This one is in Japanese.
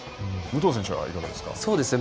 武藤選手はいかがですか。